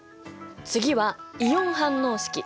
次はイオン反応式。